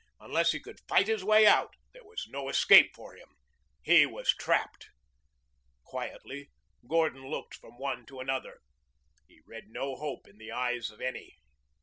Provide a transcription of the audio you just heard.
Unless he could fight his way out, there was no escape for him. He was trapped. Quietly Gordon looked from one to another. He read no hope in the eyes of any.